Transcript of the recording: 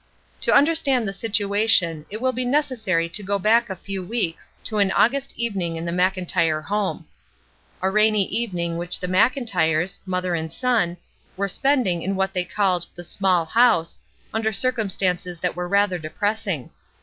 To understand the situation it will be necessary to go back a few weeks to an August evening in the Mclntyre home. A rainy even ing which the Mclntyres, mother and son, were spending in what they called the "small house," under circumstances that were rather depressing.